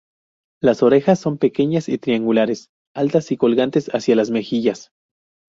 Las orejas son pequeñas y triangulares, altas y colgantes hacia las mejillas.